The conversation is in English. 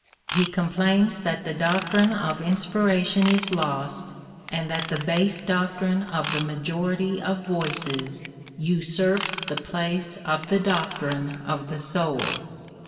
He com plains that the doctrine of inspiration is lost, and that the base doctrine of the majority of voices usurps the place of the doctrine of the soul.